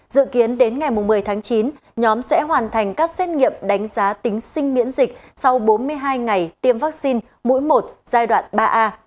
dự kiến đến ngày một mươi tháng chín nhóm sẽ hoàn thành các xét nghiệm đánh giá tính sinh miễn dịch sau bốn mươi hai ngày tiêm vaccine mũi một giai đoạn ba a